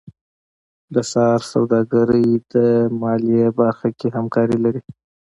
د ښار سوداګرۍ د مالیې برخه کې همکاري لري.